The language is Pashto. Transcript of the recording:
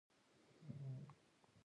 په کرار ځه! مخکې د تالاشی چيک پوسټ دی!